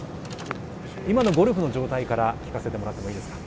◆今のゴルフの状態から聞かせてもらってもいいですか。